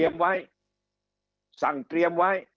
คำอภิปรายของสอสอพักเก้าไกลคนหนึ่ง